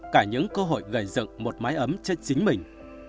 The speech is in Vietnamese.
cả những cơ hội gầy rựng một mái ấm cho chính mình